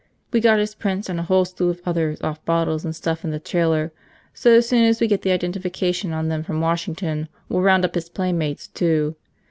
We got his prints and a whole slew of others off bottles and stuff in the trailer, so as soon as we get the identification on them from Washington we'll round up his playmates, too.